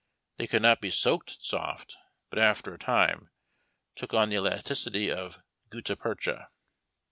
They could not be soaked soft, but after a time took on the elasticity of gutta percha.